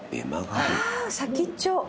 ああ先っちょ。